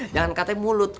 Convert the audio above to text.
jangan katanya mulutnya